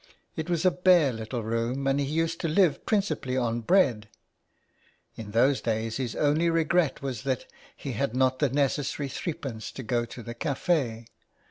It was a bare little room, and he used to live principally on bread. In those days his only regret was that he had not the necessary threepence to go to the cafe.